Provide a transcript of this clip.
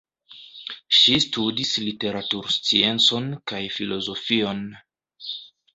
Ŝi studis literatursciencon kaj filozofion.